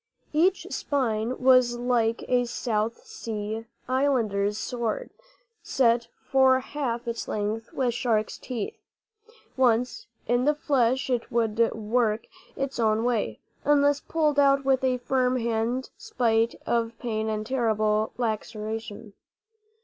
Each spine was like a South Sea Islander's sword, set for half its length with shark's teeth. Once in the flesh it would work its own way, unless pulled out with a firm hand spite of pain and terrible laceration.